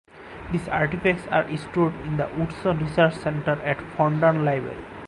These artifacts are stored in the Woodson Research Center at Fondren Library.